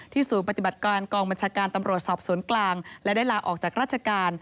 ศูนย์ปฏิบัติการกองบัญชาการตำรวจสอบสวนกลางและได้ลาออกจากราชการ